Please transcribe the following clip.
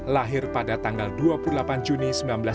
lahir pada tanggal dua puluh delapan juni seribu sembilan ratus enam puluh